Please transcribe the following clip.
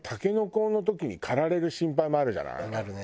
あるね。